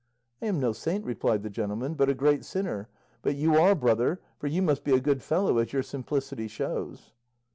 "I am no saint," replied the gentleman, "but a great sinner; but you are, brother, for you must be a good fellow, as your simplicity shows."